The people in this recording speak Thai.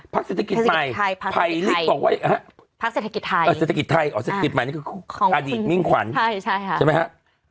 ภักดิ์เศรษฐกิจไทยอ๋อเศรษฐกิจไทยอ๋อเศรษฐกิจไทยอัดีตมิ่งขวัญใช่ไหมครับ